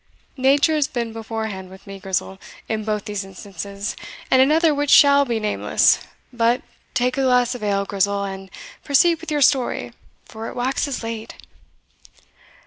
"Nature has been beforehand with me, Grizel, in both these instances, and in another which shall be nameless but take a glass of ale, Grizel, and proceed with your story, for it waxes late."